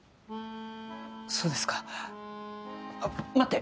そうですかあっ待って。